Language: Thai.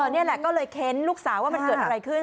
นี่แหละก็เลยเค้นลูกสาวว่ามันเกิดอะไรขึ้น